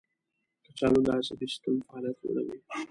کچالو د عصبي سیستم فعالیت لوړوي.